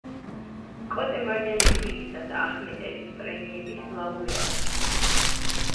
კოტე მარჯანიშვილისა და ახმეტელის პრემიების ლაურეატი.